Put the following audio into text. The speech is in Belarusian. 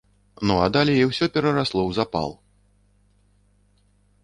Ну, а далей усё перарасло ў запал.